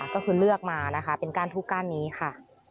ก็คือเลือกมานะคะเป็นก้านทุกก้านนี้ค่ะ